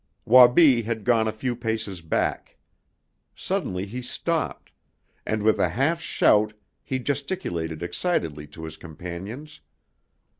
Wabi had gone a few paces back. Suddenly he stopped, and with a half shout he gesticulated excitedly to his companions.